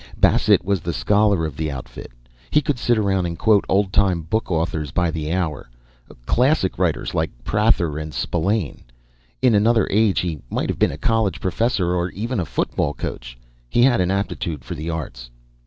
Bassett was the scholar of the outfit. He could sit around and quote old time book authors by the hour classic writers like Prather and Spillane. In another age he might have been a college professor or even a football coach; he had an aptitude for the arts.